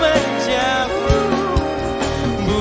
bila engkau tetap isu